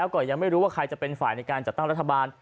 ก็ยังไม่รู้ว่าใครจะเป็นฝ่ายในการจัดตั้งรัฐบาล